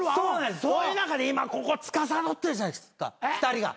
そういう中で今ここつかさどってるじゃないですか２人が。